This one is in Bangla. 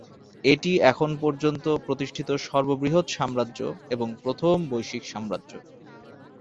এটি এখন পর্যন্ত প্রতিষ্ঠিত সর্ববৃহৎ সাম্রাজ্য এবং প্রথম বৈশ্বিক সাম্রাজ্য।